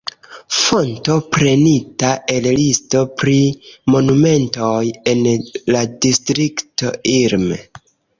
Fonto prenita el listo pri monumentoj en la Distrikto Ilm.